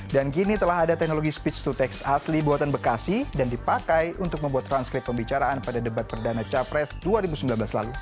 dan kini telah ada teknologi speech to text asli buatan bekasi dan dipakai untuk membuat transkrip pembicaraan pada debat perdana capres dua ribu sembilan belas lalu